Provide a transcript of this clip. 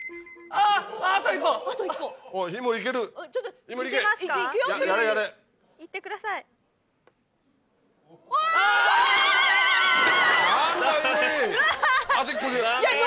あと１個で。